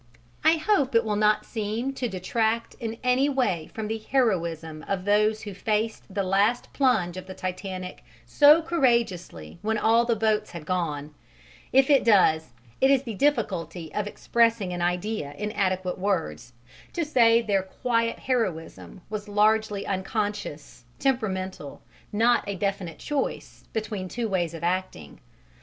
I hope it will not seem to detract in any way from the heroism of those who faced the last plunge of the Titanic so courageously when all the boats had gone, if it does, it is the difficulty of expressing an idea in adequate words, to say that their quiet heroism was largely unconscious, temperamental, not a definite choice between two ways of acting.